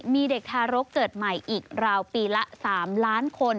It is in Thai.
มีเด็กทารกเกิดใหม่อีกราวปีละ๓ล้านคน